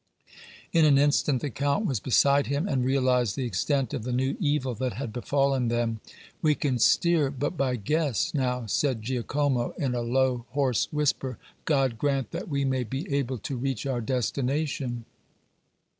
In an instant the Count was beside him and realized the extent of the new evil that had befallen them. "We can steer but by guess now," said Giacomo, in a low, hoarse whisper. "God grant that we may be able to reach our destination."